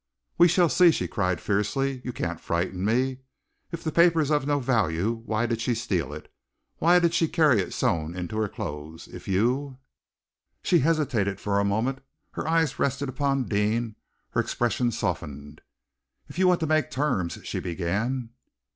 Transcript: "We shall see!" she cried fiercely. "You can't frighten me! If the paper is of no value, why did she steal it, why did she carry it sewn in her clothes? If you " She hesitated for a moment. Her eyes rested upon Deane, her expression softened. "If you want to make terms " she began.